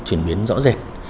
một chuyển biến rõ rệt